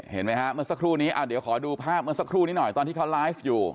เห็นไหมฮะเมื่อสักครู่นี้เดี๋ยวขอดูภาพเมื่อสักครู่นี้หน่อยตอนที่เขาไลฟ์อยู่